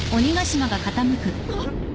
あっ！？